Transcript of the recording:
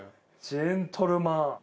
ジェントルマン。